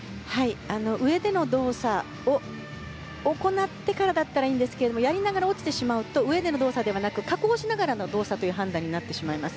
上での動作を行ってからだったらいいんですがやりながら落ちてしまうと上での動作ではなく下降しながらの動作という判断になります。